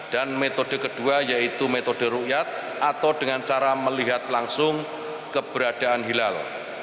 metode kedua yaitu metode rukyat atau dengan cara melihat langsung keberadaan hilal